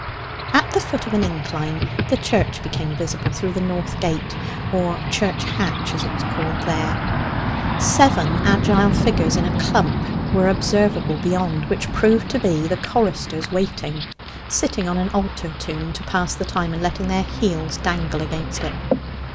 At the foot of an incline the church became visible through the north gate, or 'church hatch,' as it was called here. Seven agile figures in a clump were observable beyond, which proved to be the choristers waiting; sitting on an altar tomb to pass the time, and letting their heels dangle against it.